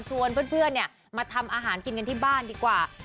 ชวนเพื่อนมาทำอาหารกินกันที่บ้านดีกว่า